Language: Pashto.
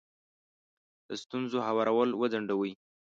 د ستونزو هوارول وځنډوئ.